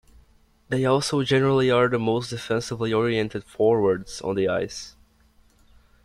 They also generally are the most defensively oriented forwards on the ice.